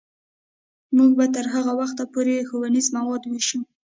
موږ به تر هغه وخته پورې ښوونیز مواد ویشو.